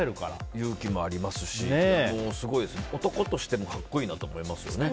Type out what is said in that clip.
勇気もありますし男としても格好いいなと思いますよね。